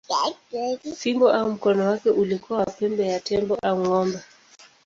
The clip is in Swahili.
Fimbo au mkono wake ulikuwa wa pembe ya tembo au ng’ombe.